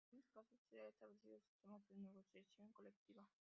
En algunos casos se han establecido sistemas de negociación colectiva.